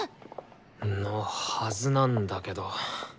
のはずなんだけど。